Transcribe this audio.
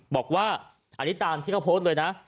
บอกว่าอันนี้ตามที่เขาโพสต์เลยนะ